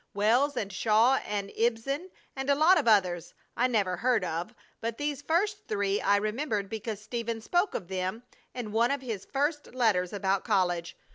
Wells and Shaw and Ibsen, and a lot of others I never heard of, but these first three I remembered because Stephen spoke of them in one of his first letters about college.